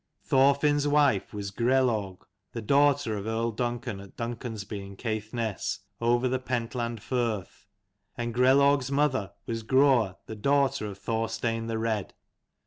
Thorfin's wife was Grelaug, the daughter of earl Duncan at Duncansby in Caithness, over the Pentland firth : and Grelaug's mother was Groa the daughter of Thorstein the Red.